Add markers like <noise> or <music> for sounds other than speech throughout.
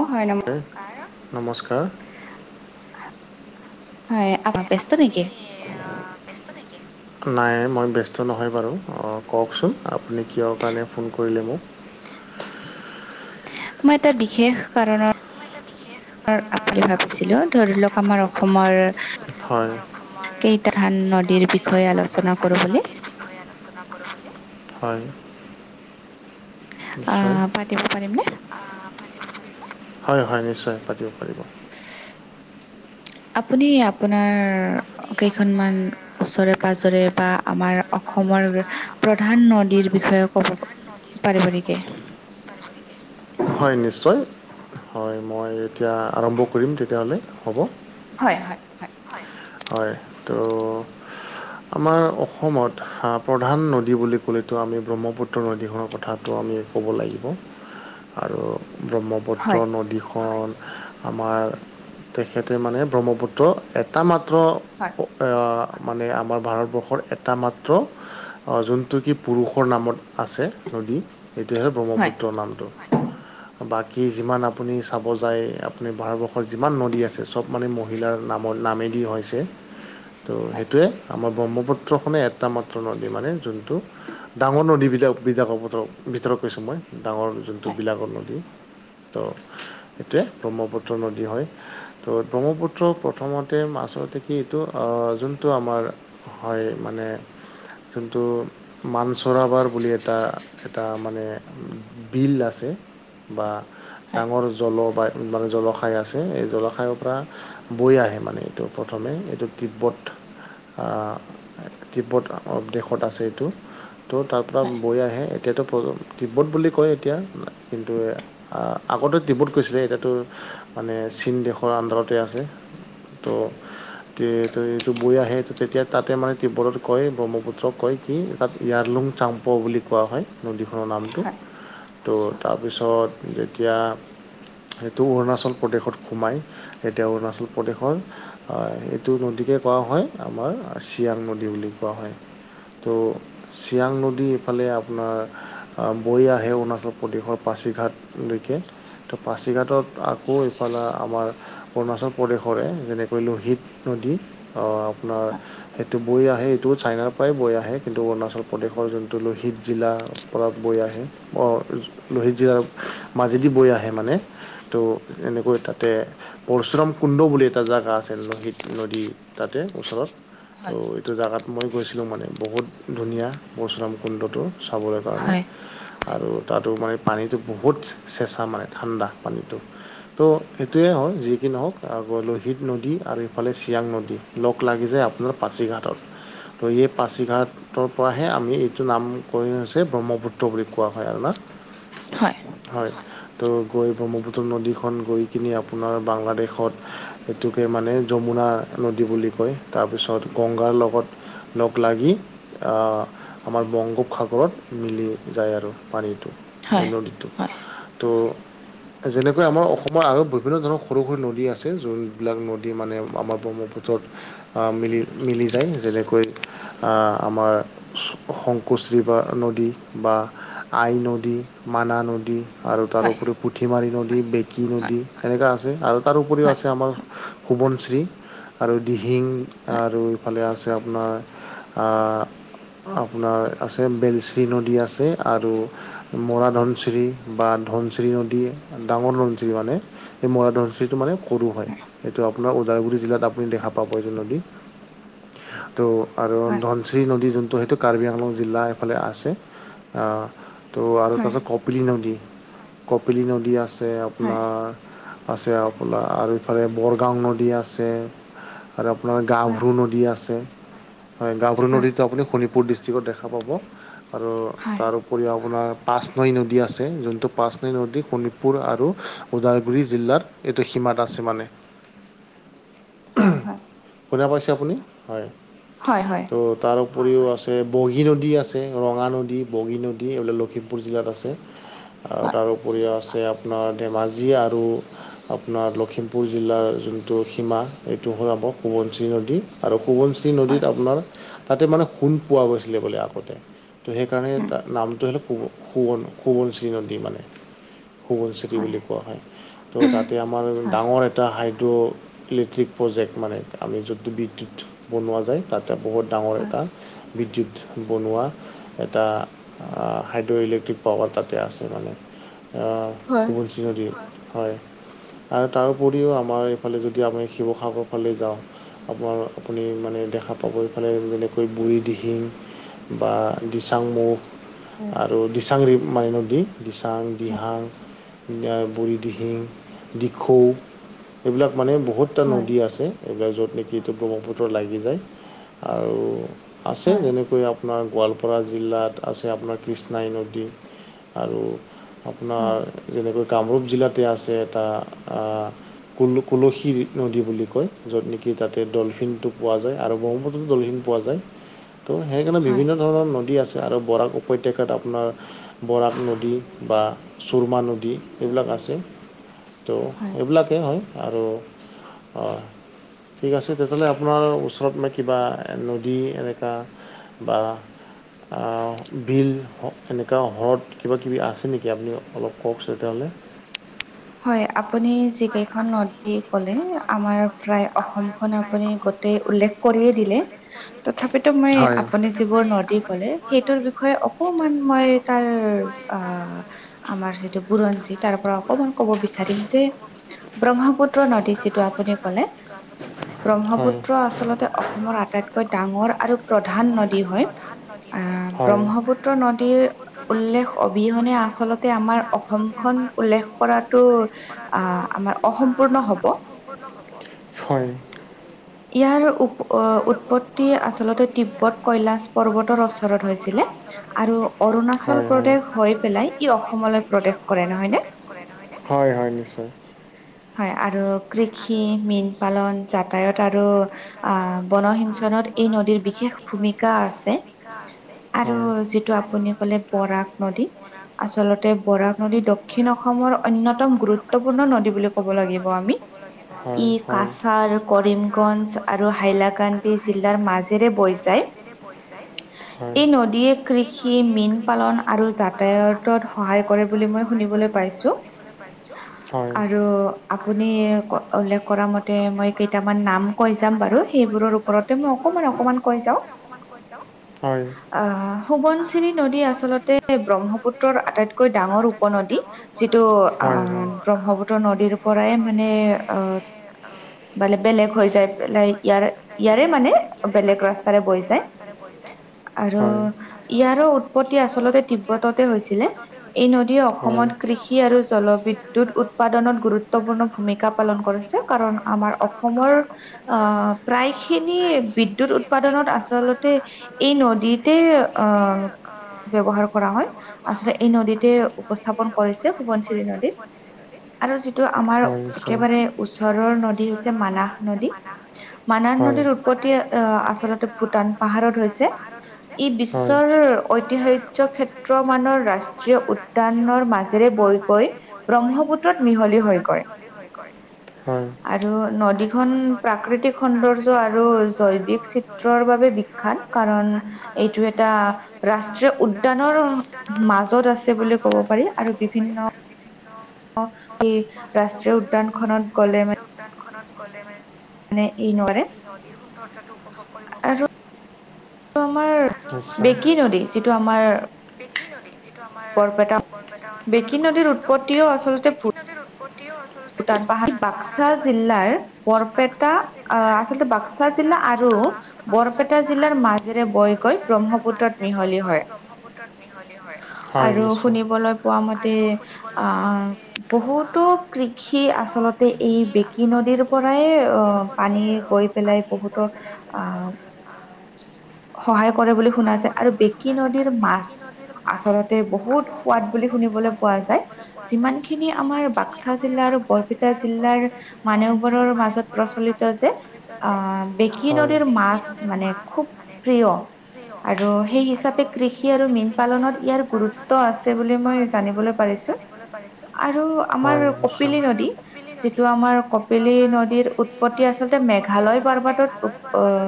অ', হয় নম নমস্কাৰ। হয় <unintelligible> ব্যস্ত নেকি? নাই, মই ব্যস্ত নহয় বাৰু, কওঁকচোন, আপুনি কিয়ৰ কাৰণে ফোন কৰিলে মোক। মই এটা বিশেষ কাৰণত আপনি ভাবিছিলো, ধৰি লওক আমাৰ অসমৰ হয়। কেইটা মান নদীৰ বিষয়ে আলোচনা কৰো বুলি। অসমৰ হয়। নিশ্চয় অ', পাতিব পাৰিম নে? হয়, হয়, নিশ্চয়, পাতিব পাৰিব। আপুনি আপোনাৰ কেইখনমান ওচৰে পাজৰে বা আমাৰ অসমৰ প্ৰধান নদীৰ বিষয়ে ক'ব পৰিব নেকি? হয় নিশ্চয়, হয় মই এতিয়া আৰম্ভ কৰিম তেতিয়াহ'লে, হ'ব? হয়, হয়, হয়। হয়, ত' আমাৰ অসমত হা প্ৰধান নদী বুলি ক'লেতো আমি ব্ৰহ্মপুত্ৰ নদীখনৰ কথা ত' আমি ক'ব লাগিব, আৰু ব্ৰহ্মপুত্ৰ নদীখন আমাৰ তেখেতে মানে ব্ৰহ্মপুত্ৰ, এটা মাত্ৰ হয়। অ', মানে আমাৰ ভাৰতবৰ্ষৰ এটা মাত্ৰ অ', জোনটো কি পুৰুষৰ নামত আছে, নদী, এইটোহে ব্ৰহ্মপুত্ৰ নামটো। <inaudible> বাকী যিমান আপুনি চাব যায়, আপুনি ভাৰতবৰ্ষত যিমান নদী আছে চব মানে মহ মহিলাৰ নামত নামেদি হৈছে, ত' হয়, সেইটোৱে, আমাৰ ব্ৰহ্মপুত্ৰখনে এটা মাত্ৰ নদী মানে জোনটো ডাঙৰ নদীবিলাক বিলাকৰ ভিত, ভিতৰত কৈছোঁ মই, ডাঙৰ জোনটো হয়, বিলাকৰ নদী। ত' এইটোৱে ব্ৰহ্মপুত্ৰ নদী হয়, ত' ব্ৰহ্মপুত্ৰ প্ৰথমতে মাচদি সেইটো অ', জোনটো আমাৰ হয় মানে জোনটো মানচৰাবাৰ বুলি এটা, এটা মানে বিল আছে, বা ডাঙৰ জল বা মানে জলশাই আছে, এই জলশাই পৰা বৈ আহে মানে এইটো ওপৰত। প্ৰথমে, এইটো তিব্বত অ', তিব্বত দেশত আছে এইটো। ত' তাৰ পৰা হয়, হয়, বৈ আহে, এতিয়াতো প তিব্বত বুলি কয় এতিয়া। কিন্তু আ, আগতে তিব্বত কৈছিলে, এতিয়াটো মানে চীন দেশৰ আণ্ডাৰতে আছে। ত' তে ত' এইটো বৈ আহে, তেতিয়া তাতে মানে তিব্বতত কয়, ব্ৰহ্মপুত্ৰক কয় কি তাত ইয়াৰলুং চাম প বুলি কোৱা হয়, নদীখনৰ নামটো, হয়, ত' তাৰপিছত যেতিয়া সেইটো অৰুণাচল প্ৰদেশত সোমায়, এতিয়া অৰুণাচল প্ৰদেশৰ হয় এইটো নদীকে কোৱা হয়, আমাৰ চিয়াং নদী বুলি কোৱা হয়। ত' চিয়াং নদী এইফালে আপোনাৰ বৈ আহে অৰুণাচল প্ৰদেশৰ পাছিঘাট লৈকে। ত' পাছিঘাটত আকৌ এইফালে আমাৰ অৰুণাচল প্ৰদেশৰে যেনে কয় লোহিত নদী, অ', আপোনাৰ হয়, হয়। সেইটো বৈ আহে এইটো চাইনাৰ পৰাই বৈ আহে, কিন্তু অৰুণাচল প্ৰদেশৰ জোনটো লোহিত জিলা পৰা বৈ আহে, অ', লোহিত জিলাৰ মাজেদি বৈ আহে মানে, ত', এনেকৈ তাতে পৰশুৰাম কুণ্ড বুলি এটা জাগা আছে। লোহিত নদী তাতে ওচৰত, ত' এইটো জাগাত মই গৈছিলোঁ মানে, বহুত ধুনীয়া পৰশুৰাম কুণ্ডটো, চাবলৈ কাৰণে। হয়। আৰু তাতো মানে পানীটো বহুত চেঁচা মানে, ঠাণ্ডা পানীটো। ত' সেইটোৱে হয়, যি কি নহওক অ', লোহিত নদী আৰু ইফালে চিয়াং নদী, লগ লাগি যায় আপোনাৰ পাছিঘাটত, ত' এই পাছিঘাট ঘাতৰ পৰাহে আমি এইটো নামকৰণ হৈছে, ব্ৰহ্মপুত্ৰ বুলি কোৱা হয় আৰু না। হয়। হয়। ত' গৈ ব্ৰহ্মপুত্ৰ নদীখন গৈ কিনে আপোনাৰ বাংলাদেশত এইটোকে। মানে যমুনা নদী বুলি কয়, তাৰপিছত গংগাৰ লগত লগ লাগি। আমাৰ বংগোপ সাগৰত মিলি যায় আৰু পানীটো, হয়, নদীটো। তো। যেনেকৈ আমাৰ অসমত আৰু বিভিন্ন ধৰণৰ সৰু সৰু নদী আছে, যোনবিলাক নদ। নদী মানে আমাৰ ব্ৰহ্মপুত্ৰত মিলি মিলি যায়, যেনেকৈ। অ', আমাৰ। শংকোশ্ৰী বা নদী বা আই নদী, মানা নদী। আৰু হয়, হয়, তাৰোপৰিও পুঠিমাৰী নদী, বেঁকী নদী, সেনেকুৱা আছে আৰু তাৰোপৰিও হয়, আছে আমাৰ। সোৱনশিৰি আৰু দিহিং হয়, আৰু এইফালে আছে আপোনাৰ। আপোনাৰ আছে, বেলশ্ৰী নদী আছে আৰু। মৰা ধনশিৰি বা ধনশিৰি নদী, ডাঙৰ ধনশিৰি মানে। এই মৰাধনশিৰিটো মানে সৰু হয়। এইটো আপোনাৰ ওদালগুৰি জিলাত আপুনি দেখা পাব এইটো নদী, ত' আৰু ধন। হয় ধনশ্ৰী নদী যোনটো সেইটো কাৰ্বি আংলং জিলা এইফালে আছে। ত' আৰু হয় তাৰপিছত কপিলি নদী, কপিলি নদী আছে হয় আপোনাৰ। আছে আপোনাৰ আৰু ইফালে বৰগাং নদী আছে। আৰু আপোনাৰ হয় গাভৰু নদী আছে, হয় গাভৰু হয় নদীতটো আপুনি শোণিতপুৰ ডিষ্ট- ক'ত দেখা পাব আৰু হয় তাৰ উপৰিও আপোনাৰ। পাঁচ নৈ নদী আছে, যোনটো পাঁচ নৈ নদী শোণিতপুৰ আৰু ওদালগুৰি জিলাত। এইটো সীমাত আছে মানে। হয় হয়। শুনা পাইছে আপুনি, হয়। হয় হয়। ত' তাৰ উপৰিও আছে, বগী নদী আছে, ৰঙা নদী, বগী নদী এইবোৰ লখিমপুৰ জিলাত আছে। <inaudible> আৰু তাৰো উপৰিও আছে আপোনাৰ ধেমাজি আৰু আপোনাৰ লখিমপুৰ- জিলাৰ যোনটো সীমা, এইটো হ'ল আপোনাৰ সোৱনশিৰি নদী আৰু। হয় নদীত আপোনাৰ, তাতে মানে সোণ পোৱা গৈছিলে বোলে আগতে। তো সেইকাৰণে উম তাৰ নামটো হ'ল সোৱ সোৱনশিৰি নদী মানে। সোৱনশিৰি নদী হয় বুলি কোৱা হয়, ত' তাতে আমাৰ হয় ডাঙৰ এটা। এটা হাইড্ৰ' ইলেক্ট্ৰিক প্ৰজেক্ট মানে, আমি য'ট বিদ্যুৎ বনোৱা যায়, তাতে বহুত। ডাঙৰ হয় এটা বিদ্যুৎ বনোৱা। এটা হাইড্ৰ' ইলেক্ট্ৰিক পাৱাৰ তাতে আছে মানে। হয় সোৱনশিৰি নদী হয় আৰু তাৰো- উপৰিও আমাৰ এইফালে যদি আমি শিৱসাগৰ ফালে যাওঁ। আপোনাৰ আপুনি মানে দেখা পাব, এইফালে যেনেকৈ বুঢ়ী দিহিং। বা দিচাং মুখ হয় আৰু। দিচং ৰি মাই নদী, দিছাং, দিহাং। বুঢ়ী দিহিং, দিখৌ। এইবিলাক মানে বহুত কেইটা হয় নদী আছে। এইবিলাক য'ত নেকি ব্ৰহ্মপুত্ৰ লাগি যায়, আৰু আছে হয় যেনেকৈ। আপোনাৰ গোৱালপাৰা জিলাত আছে, আপোনাৰ কৃষ্ণাই নদী আৰু। আপোনাৰ হয় তেনেকৈ কামৰূপ জিলাতে আছে এটা। কুল কুলসী নদী বুলি কয় য'ত নেকি তাতে ডলফিনটো পোৱা যায় আৰু ব্ৰহ্মপুত্ৰতো ডলফিন পোৱা যায়। <inaudible> তো সেইকাৰণে হয় বিভিন্ন ধৰণৰ নদী আছে আৰু বৰাক উপত্যকাত আপোনাৰ বৰাক নদী বা চুৰমা নদী এইবিলাক আছে। তো হয় এইবিলাকেই হয়, আৰু ঠিক আছে তেতিয়াহ'লে আপোনাৰ ওচৰত মই কিবা নদী এনেকুৱা বা বিল হওঁক তেনেকা হ্ৰদ কিবা কিবি আছে নেকি আপুনি অলপ কওঁকচো তেতিয়াহ'লে। হয় আপুনি যিকেইখন নদী ক'লে আমাৰ প্ৰায় অসমখন আপুনি গোতেই উল্লেখ কৰিয়ে দিলে তথাপিতো মই হয় আপুনি যিবোৰ নদী ক'লে সেইটোৰ বিষয়ে অকমান মই তাৰ অ', আমাৰ সেইটো বুৰঞ্জী তাৰ পৰা অকমান ক'ব বিচাৰিম যে ব্ৰহ্মপুত্ৰ নদী যিটো আপুনি ক'লে হয় ব্ৰহ্মপুত্ৰ আচলতে অসমৰ আটাইতকৈ ডাঙৰ আৰু প্ৰধান নদী হয়। আহ হয় ব্ৰহ্মপুত্ৰ নদীৰ উল্লেখ অবিহনে আচলতে আমাৰ অসমখন উল্লেখ কৰাটো আহ আমাৰ অসম্পূৰ্ণ হ'ব হয়। ইয়াৰ উৎপত্তি আচলতে তিব্বত কৈলাশ পৰ্বতৰ ওচৰত হৈছিলে। আৰু অৰুণাচল প্ৰদেশ হৈ পেলাই ই অসমলৈ প্ৰৱেশ কৰে নহয় নে। হয় হয় নিশ্চয়। হয় আৰু কৃষি, মীন পালন, যাতায়ত আৰু আহ বনসিঞ্চনত এই নদীৰ বিশেষ ভূমিকা আছে আৰু হয় যিটো আপুনি ক'লে বৰাক নদী আচলতে বৰাক নদী দক্ষিণ অসমৰ অন্যতম গুৰুত্বপূৰ্ণ নদী বুলি ক'ব লাগিব আমি ই হয় হয় কাছাৰ, কৰিম গঞ্জ আৰু হাইলাকান্দি জিলাৰ মাজেৰে বৈ যায়। হয় এই নদীয়ে কৃষি মীন পালন আৰু যাতায়াতত সহায় কৰে বুলি মই শুনিবলৈ পাইছোঁ। মানে পাইছো আৰু আপুনি উল্লেখ কৰা মতে মই কেইটামান নাম কৈছো অকমান কৈ যাওঁ। হয়। আহ সোৱনশিৰি নদী আচলতে ব্ৰহ্মপুত্ৰৰ আটাইতকৈ ডাঙৰ উপনদী যি টো হয় অ', ব্ৰহ্মপুত্ৰ নদীৰ পৰাই মানে অ', বালে বেলেগ হৈ যায়। বেলে পেলাই খৈ যায় ইয়াৰ মানে ইয়াৰে বেলেগ মানে ৰাস্তাৰে বৈ বেলে যায়। খ <unintelligible> তাৰে বল যায় আৰু ইয়াৰো উৎপত্তি আচলতে তিব্বততে হৈছিলে। এই নদী অসমত কৃষি কৃষি আৰু জলবিদ্যুৎ উৎপাদনত গুৰুত্বপূৰ্ণ ভূমিকা পালন কৰিছে, কাৰণ আমাৰ অসমৰ অ', প্ৰায়খিনি বিদ্যুৎ উৎপাদনত আচলতে এই নদীত তে অ', ব্যৱহাৰ কৰা হয় আচলতে এই নদীতে উপস্থাপন কৰিছে সোবণশিৰি নদীত আৰু যিটো আমাৰ একেবাৰে ওচৰৰ নদী হৈছে মানাহ নদী। মানান হয় নদীৰ উৎপত্তি আহ আচলতে ভূটান পাহাৰত হৈছে, ই হয় বিশ্বৰ ঐতিহাস্য ক্ষেত্ৰ মানৰ ৰাষ্ট্ৰীয় উদ্যানৰ মাজ ৰে বৈ গৈ ব্ৰহ্মপুত্ৰত মিহলি হৈ গৈ। হয় আৰু নদী খন প্ৰাকৃতিক সৌন্দৰ্য আৰু জৈৱিক চিত্ৰৰ বাবে বিখ্যাত। কাৰণ এইটো এটা ৰাষ্ট্ৰীয় উদ্যানৰ মাজত আছে বুলি ক'ব পাৰি। আৰু বিভিন্ন <unintelligible> স ৰাষ্ট্ৰীয় উদ্যান খনত গ'লে মানে দোকানখনত গ'লে মানে মানে এই নৰে। নদীৰ সৌন্দৰ্যটো উপভোগ কৰিব পাৰে। টো আমাৰ বেকী নদী যিটো আমাৰ বেকী নদী যিটো আমাৰ বৰপেটা বৰপেটা অঞ্চলত বেকী নদীৰ অৱস্থিত উৎপত্তিও বেকী নদীৰ কও আ ভটান পাহাৰ বাক্সা জিলাৰ বৰপেটা আহ আচলতে বাক্সা জিলা আৰু বৰপেটা জিলাৰ ম মেৰে বৈ গৈ ব্ৰহ্মপুত্ৰত মিহলি হয় হয় আৰু নিশ্চয়। আহ, শুনিবলৈ পোৱা মতে আ বহুতো ক্ৰ সি আচল্ততে এই বেকী নদীৰ পৰাই নদীৰ আহ পৰাই পানী অ, গৈ পেলাই পানী বহুতো গৈ আহ পেলাই। সহায় কৰে বুলি শুনা যায় আৰু বেকী নদীৰ মাছ আচলতে বহুত সোৱাদ বুলি শুনিবলৈ পোৱা যায় যিমান খিনি আমাৰ বাক্সা জিলা আৰু বৰপেটা জিলাৰ মানহবোৰৰ মাজত প্ৰচলিত যে আ বেকী নদীৰ মাছ মানে খুব প্ৰিয় আৰু সেই হিচাপে কৃষি আৰু মীন পালনত ইয়াৰ গুৰুত্ব আছে বুলি মই জানিবলৈ পাৰিছো আৰু আমাৰ হয় কপিলি নদী যিটো আমাৰ কপেলি ন কপিলি নদীৰ উৎপত্তি আচলতে পৰ্বতত মেঘালয় ব্বাত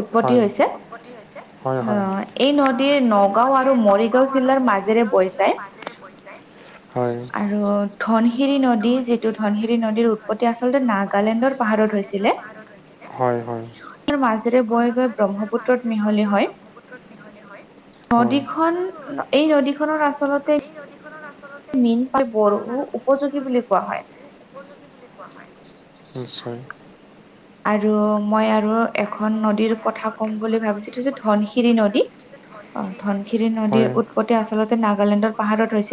উৎপত্তি হৈছে। হয় আ, হয় এই নদীৰ নগাঁও আৰু মৰিগাঁও জিলাৰ মাজেৰে বৈ যায়। হয়। আৰু ধনশিৰি নদী যিটো ধনশিৰি নদীৰ উৎপত্তি আচলতে নাগালেণ্ডৰ পাহাৰত হৈছিলে। হয়, হয়। মাজেৰে বৈ গৈ ব্ৰহ্মপুত্ৰত মিহলি হয়। হয় নদীখন এই নদী খত আচলতে মেইন হয় বড়ো উপযোগী বুলি কোৱা হয়। য বুলি কোৱা হয়। নিশ্চয়। আৰু মই আৰু এখন নদীৰ কথা ক'ম বুলি ভাবিছো এইটো হৈছে ধনশিৰি নদী। অ, ধনশিৰি নদীৰ হয় উৎপত্তি আচল্ততে নাগালেণ্ডৰ পাহাৰত হৈছিল।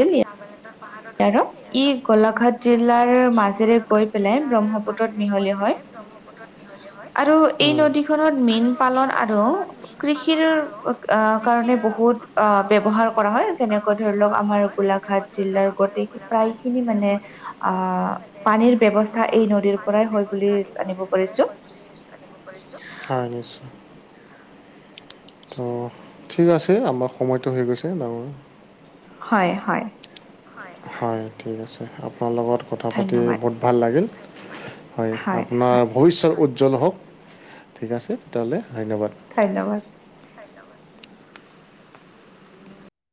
পাহাৰত আৰু ই গোলাঘাট জিলাৰ মাজেৰে গৈ পেলাই ব্ৰহ্মপুত্ৰত মিহলি হয়। আৰু এই উম, নদীখনত মীন পালন আৰু কৃষিৰ অ', কাৰণে বহুত অ, বেৱহাৰ কৰা হয় যেনেকৈ ধৰি লওক আমাৰ গোলা লাঘাট জিলাৰ গোটেই প্ৰায় খিনি মানে পানীৰ ব্যা কথা এই নদীৰ পৰাই হয় বুলি জানিব পাৰছো। হয়, নিশ্চয়। ত' ঠিক আছে আমাৰ সময়টো হৈ গৈছে ন হয়, হয়। হয়, ঠিক আছে আপোনাৰ লগত কথা পাতি ধন্যবাদ বহুত ভাল লাগিল। হয়, আপোনাৰ ভৱিষ্যত উজ্জ্বল হওক ঠিক আছে তেতিয়াহ'লে ধন্যবাদ। ধন্যবাদ।